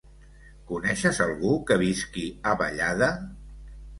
Coneixes algú que visqui a Vallada?